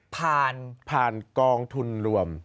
ผ่านผ่านกองทุนรวม